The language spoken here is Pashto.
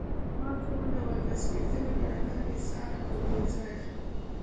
ما څه ونه ویل، د سپېڅلي، ویاړمن، اېثار او بې ځایه.